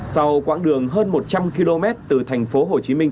sau quãng đường hơn một trăm linh km từ thành phố hồ chí minh